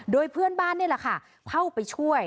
โดยเพื่อนบ้านนี่แหละค่ะเข้าไปช่วย